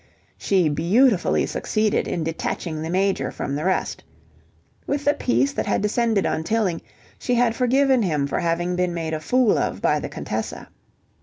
She beautifully succeeded in detaching the Major from the rest. With the peace that had descended on Tilling, she had forgiven him for having been made a fool of by the Contessa.